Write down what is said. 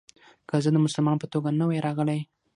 که زه د مسلمان په توګه نه وای راغلی.